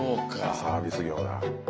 サービス業だ。